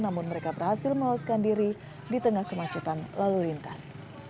namun mereka berhasil melawaskan diri di tengah kemacetan lalu lintas